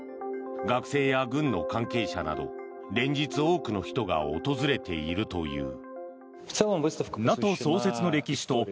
学生や軍の関係者など連日、多くの人が訪れているという。